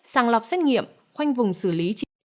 sàng lọc xét nghiệm khoanh vùng xử lý